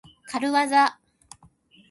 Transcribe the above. かるわざ。